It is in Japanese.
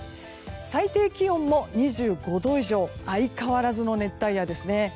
最低気温も２５度以上相変わらずの熱帯夜ですね。